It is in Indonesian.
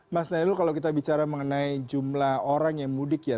mas nailul kalau kita bicara mengenai jumlah orang yang mudik ya